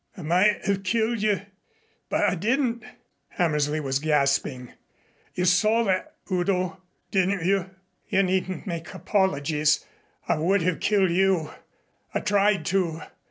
"I might have killed you but I didn't," Hammersley was gasping. "You saw that, Udo, didn't you?" "You needn't make apologies. I would have killed you. I tried to.